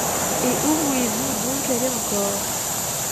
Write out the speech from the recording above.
Et où voulez-vous donc aller encore ?